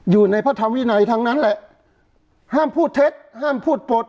อยู่ในพระธรรมวินัยทั้งนั้นแหละห้ามพูดเท็จห้ามพูดปลด